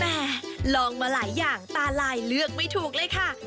แต่ลองมาหลายอย่างตาลายเลือกไม่ถูกเลยค่ะ